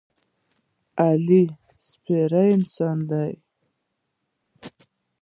علي سپېره انسان دی.